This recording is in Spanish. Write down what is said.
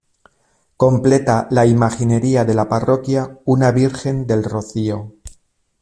Completa la imaginería de la parroquia, una Virgen del Rocío.